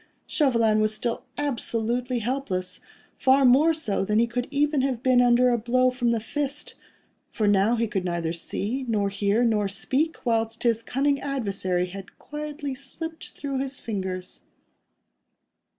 Chauvelin was still absolutely helpless, far more so than he could even have been under a blow from the fist, for now he could neither see, nor hear, nor speak, whilst his cunning adversary had quietly slipped through his fingers.